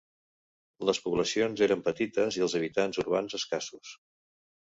Les poblacions eren petites i els habitants urbans escassos.